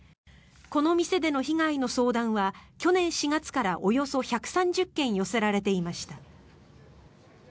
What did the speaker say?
この店での被害の相談は去年４月からおよそ１３０件寄せられていました。